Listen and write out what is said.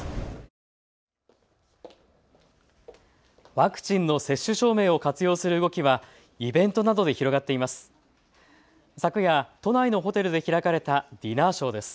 ワクチンの接種証明を活用する動きはイベントなどで広がっています。